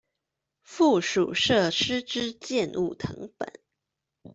附屬設施之建物謄本